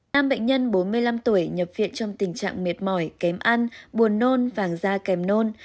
nam bệnh nhân bốn mươi năm tuổi nhập viện trong tình trạng mệt mỏi kém ăn buồn nôn vàng da kèm nôn